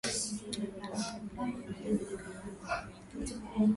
jamii za makabila jirani zilianza kuiga